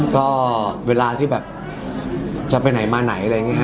ก็เวลาที่แบบจะไปไหนมาไหนอะไรอย่างนี้ฮะ